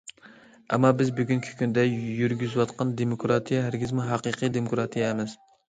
ئەمما، بىز بۈگۈنكى كۈندە يۈرگۈزۈۋاتقان دېموكراتىيە ھەرگىزمۇ ھەقىقىي دېموكراتىيە ئەمەس.